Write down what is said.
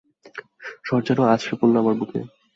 স্বর যেন আছড়ে পড়ল আমার বুকে।